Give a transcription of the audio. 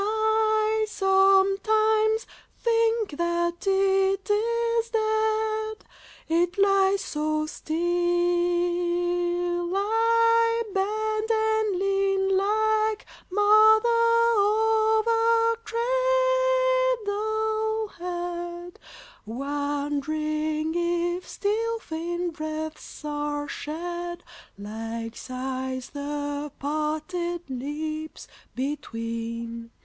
I sometimes think that it is dead, It lies so still. I bend and lean, Like mother over cradle head, Wondering if still faint breaths are shed Like sighs the parted lips between.